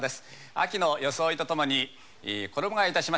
秋の装いとともに衣替えいたしました